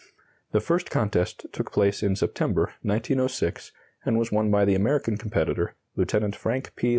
The first contest took place in September, 1906, and was won by the American competitor, Lieut. Frank P.